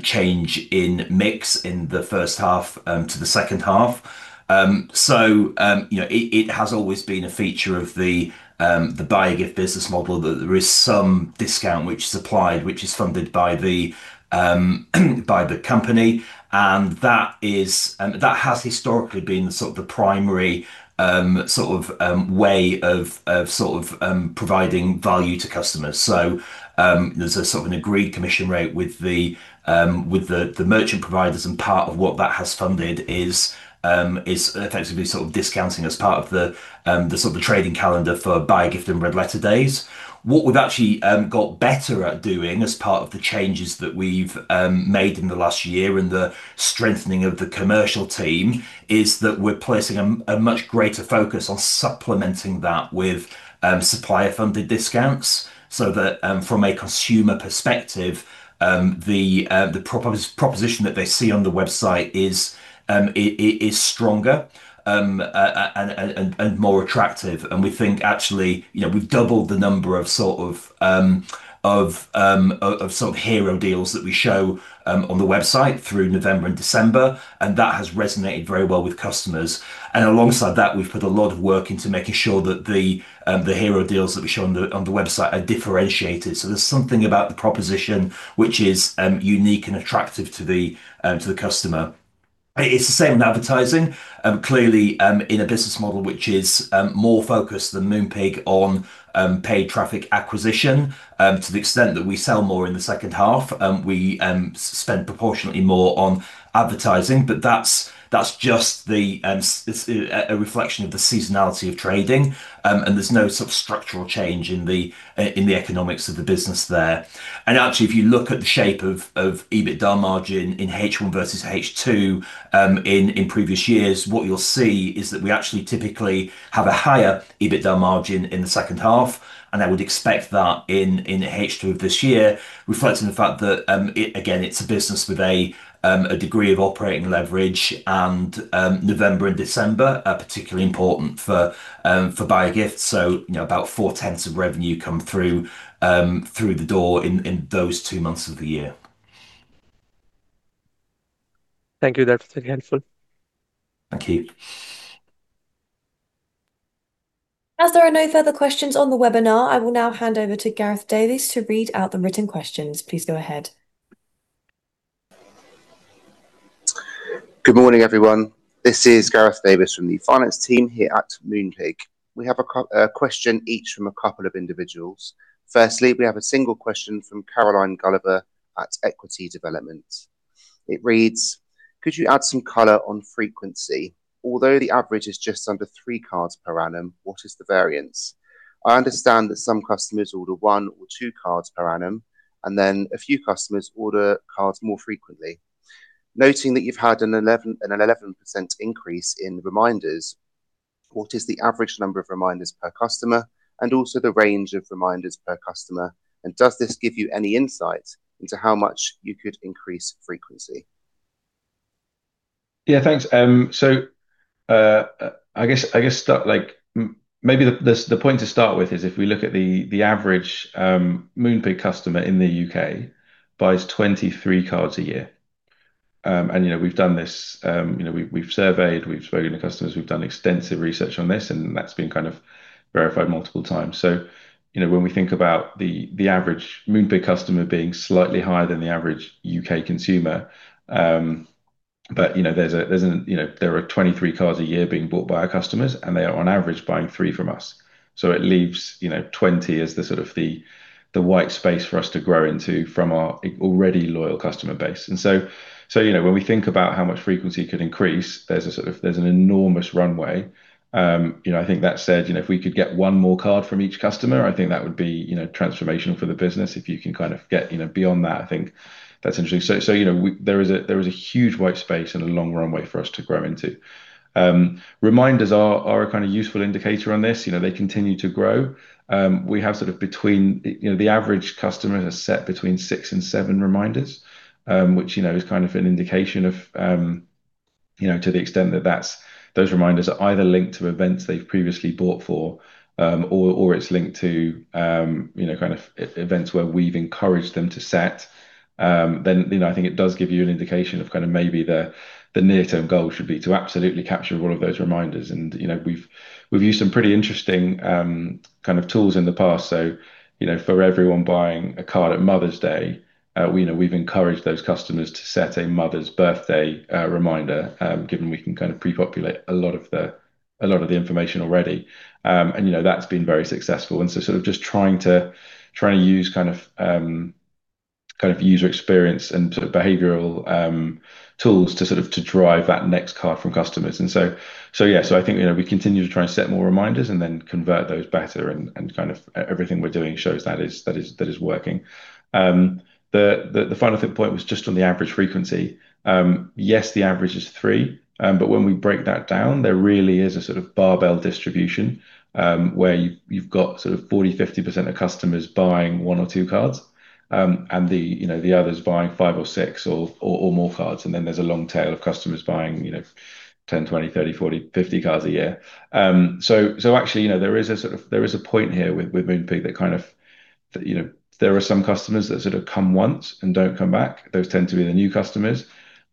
change in mix in the first half to the second half. So it has always been a feature of the Buyagift business model that there is some discount which is applied, which is funded by the company. And that has historically been sort of the primary sort of way of sort of providing value to customers. So there's a sort of an agreed commission rate with the merchant providers. And part of what that has funded is effectively sort of discounting as part of the sort of the trading calendar for Buyagift and Red Letter Days. What we've actually got better at doing as part of the changes that we've made in the last year and the strengthening of the commercial team is that we're placing a much greater focus on supplementing that with supplier-funded discounts so that from a consumer perspective, the proposition that they see on the website is stronger and more attractive, and we think actually we've doubled the number of sort of hero deals that we show on the website through November and December, and that has resonated very well with customers, and alongside that, we've put a lot of work into making sure that the hero deals that we show on the website are differentiated, so there's something about the proposition which is unique and attractive to the customer. It's the same with advertising. Clearly, in a business model which is more focused than Moonpig on paid traffic acquisition, to the extent that we sell more in the second half, we spend proportionately more on advertising. But that's just a reflection of the seasonality of trading. And there's no sort of structural change in the economics of the business there. And actually, if you look at the shape of EBITDA margin in H1 versus H2 in previous years, what you'll see is that we actually typically have a higher EBITDA margin in the second half. And I would expect that in H2 of this year, reflecting the fact that, again, it's a business with a degree of operating leverage and November and December are particularly important for Buyagift. So about four tenths of revenue come through the door in those two months of the year. Thank you. That's very helpful. Thank you. As there are no further questions on the webinar, I will now hand over to Gareth Davis to read out the written questions. Please go ahead. Good morning, everyone. This is Gareth Davis from the Finance team here at Moonpig. We have a question each from a couple of individuals. Firstly, we have a single question from Caroline Gulliver at Equity Development. It reads, "Could you add some color on frequency? Although the average is just under three cards per annum, what is the variance? I understand that some customers order one or two cards per annum, and then a few customers order cards more frequently. Noting that you've had an 11% increase in reminders, what is the average number of reminders per customer and also the range of reminders per customer? And does this give you any insight into how much you could increase frequency? Yeah, thanks. So I guess maybe the point to start with is if we look at the average Moonpig customer in the U.K. buys 23 cards a year, and we've done this. We've surveyed, we've spoken to customers, we've done extensive research on this, and that's been kind of verified multiple times, so when we think about the average Moonpig customer being slightly higher than the average U.K. consumer, but there are 23 cards a year being bought by our customers, and they are on average buying three from us, so it leaves 20 as the sort of the white space for us to grow into from our already loyal customer base, and so when we think about how much frequency could increase, there's an enormous runway. I think that said, if we could get one more card from each customer, I think that would be transformational for the business if you can kind of get beyond that. I think that's interesting. So there is a huge white space and a long runway for us to grow into. Reminders are a kind of useful indicator on this. They continue to grow. We have sort of between the average customer has set between six and seven reminders, which is kind of an indication of to the extent that those reminders are either linked to events they've previously bought for or it's linked to kind of events where we've encouraged them to set. Then I think it does give you an indication of kind of maybe the near-term goal should be to absolutely capture all of those reminders. We've used some pretty interesting kind of tools in the past. For everyone buying a card at Mother's Day, we've encouraged those customers to set a Mother's Birthday reminder, given we can kind of pre-populate a lot of the information already. That's been very successful. Sort of just trying to use kind of user experience and sort of behavioral tools to sort of drive that next card from customers. Yeah, so I think we continue to try and set more reminders and then convert those better. Kind of everything we're doing shows that is working. The final point was just on the average frequency. Yes, the average is three. But when we break that down, there really is a sort of barbell distribution where you've got sort of 40%-50% of customers buying one or two cards and the others buying five or six or more cards. And then there's a long tail of customers buying 10%, 20%, 30%, 40%, 50% cards a year. So actually, there is a point here with Moonpig that kind of there are some customers that sort of come once and don't come back. Those tend to be the new customers.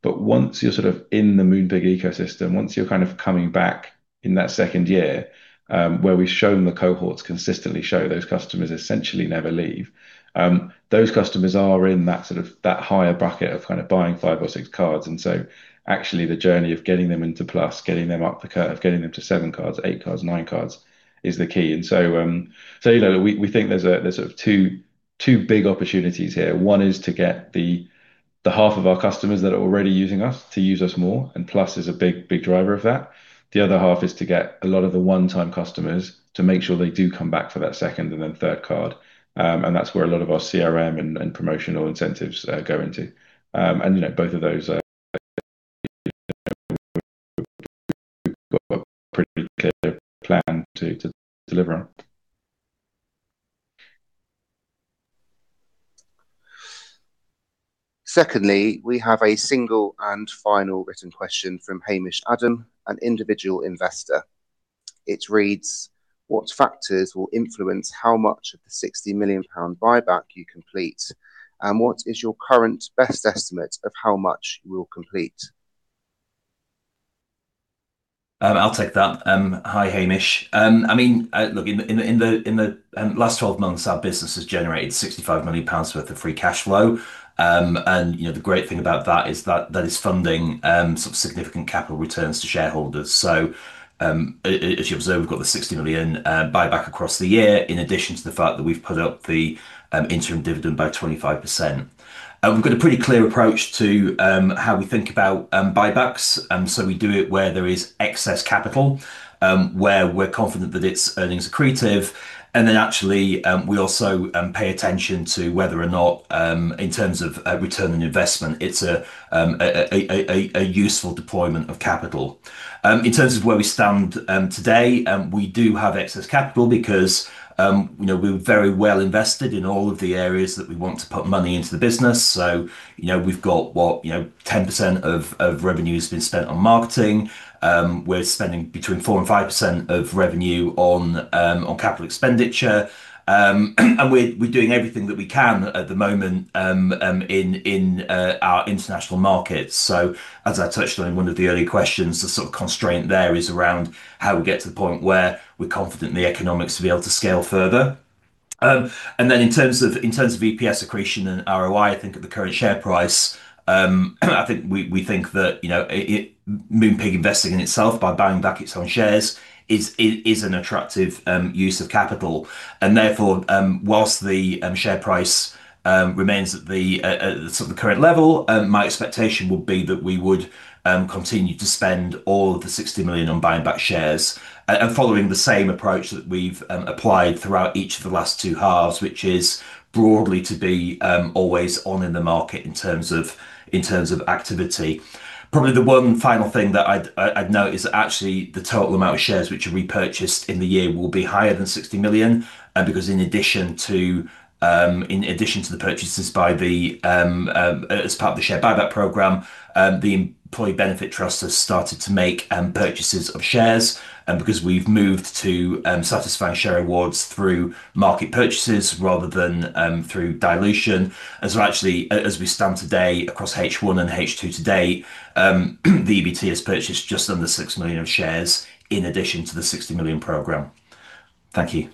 But once you're sort of in the Moonpig ecosystem, once you're kind of coming back in that second year, where we've shown the cohorts consistently show those customers essentially never leave, those customers are in that sort of higher bucket of kind of buying five or six cards. And so actually, the journey of getting them into Plus, getting them up the curve, getting them to seven cards, eight cards, nine cards is the key. And so we think there's sort of two big opportunities here. One is to get the half of our customers that are already using us to use us more. And Plus is a big driver of that. The other half is to get a lot of the one-time customers to make sure they do come back for that second and then third card. And that's where a lot of our CRM and promotional incentives go into. And both of those we've got a pretty clear plan to deliver on. Secondly, we have a single and final written question from Hamish Adam, an individual investor. It reads, "What factors will influence how much of the 60 million pound buyback you complete? And what is your current best estimate of how much you will complete? I'll take that. Hi, Hamish. I mean, look, in the last 12 months, our business has generated 65 million pounds worth of free cash flow. And the great thing about that is that that is funding some significant capital returns to shareholders. So as you observe, we've got the 60 million buyback across the year in addition to the fact that we've put up the interim dividend by 25%. We've got a pretty clear approach to how we think about buybacks. And so we do it where there is excess capital, where we're confident that its earnings are accretive. And then actually, we also pay attention to whether or not, in terms of return on investment, it's a useful deployment of capital. In terms of where we stand today, we do have excess capital because we're very well invested in all of the areas that we want to put money into the business. So we've got what, 10% of revenue has been spent on marketing. We're spending between 4% and 5% of revenue on capital expenditure. And we're doing everything that we can at the moment in our international markets. So as I touched on in one of the early questions, the sort of constraint there is around how we get to the point where we're confident in the economics to be able to scale further. And then in terms of EPS accretion and ROI, I think at the current share price, I think we think that Moonpig investing in itself by buying back its own shares is an attractive use of capital. And therefore, whilst the share price remains at the sort of current level, my expectation would be that we would continue to spend all of the 60 million on buying back shares and following the same approach that we've applied throughout each of the last two halves, which is broadly to be always on in the market in terms of activity. Probably the one final thing that I'd note is that actually the total amount of shares which are repurchased in the year will be higher than 60 million. Because in addition to the purchases by the EBT as part of the share buyback program, the Employee Benefit Trust has started to make purchases of shares because we've moved to satisfying share awards through market purchases rather than through dilution. So actually, as we stand today across H1 and H2 today, the EBT has purchased just under 6 million of shares in addition to the 60 million program. Thank you.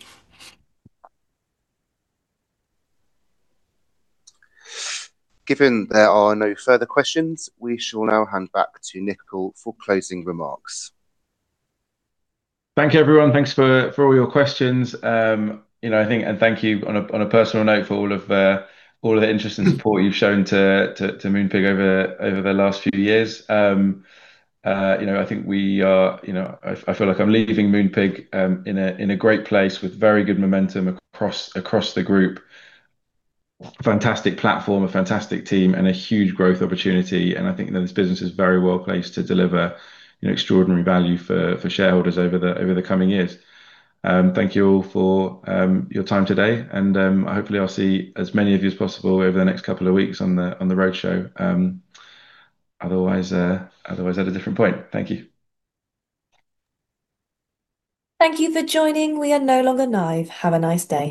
Given there are no further questions, we shall now hand back to Nickyl for closing remarks. Thank you, everyone. Thanks for all your questions. I think, and thank you on a personal note for all of the interest and support you've shown to Moonpig over the last few years. I think we are, I feel like I'm leaving Moonpig in a great place with very good momentum across the group. Fantastic platform, a fantastic team, and a huge growth opportunity. And I think this business is very well placed to deliver extraordinary value for shareholders over the coming years. Thank you all for your time today. And hopefully, I'll see as many of you as possible over the next couple of weeks on the roadshow. Otherwise, at a different point. Thank you. Thank you for joining. We are no longer live. Have a nice day.